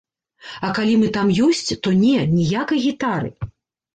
А калі мы там ёсць, то не, ніякай гітары!